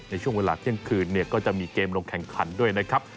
ในช่วงเวลาเที่ยงคืนเนี่ยก็จะมีเกมลงแข่งขันด้วยนะครับ